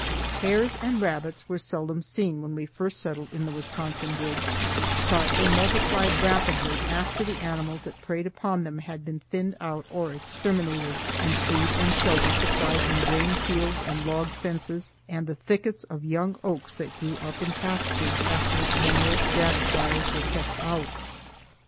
Hares and rabbits were seldom seen when we first settled in the Wisconsin woods, but they multiplied rapidly after the animals that preyed upon them had been thinned out or exterminated, and food and shelter supplied in grain fields and log fences and the thickets of young oaks that grew up in pastures after the annual grass fires were kept out.